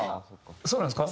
そうなんですか？